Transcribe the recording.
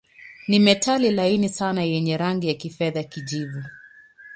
Ni metali laini sana yenye rangi ya kifedha-kijivu.